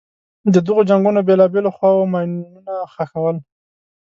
د دغو جنګونو بېلابېلو خواوو ماینونه ښخول.